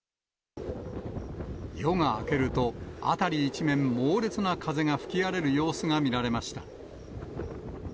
夜が明けると、辺り一面、猛烈な風が吹き荒れる様子が見られました。